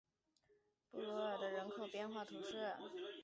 布卢尔德河畔穆泰尔人口变化图示